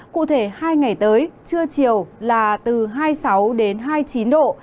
cụ thể hai ngày tới chưa chiều là từ hai mươi sáu hai mươi chín độ